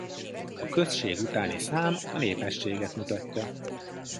A község utáni szám a népességet mutatja.